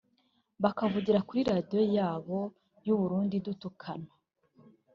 bakavugira kuri Radio yabo y’u Burundi dutukana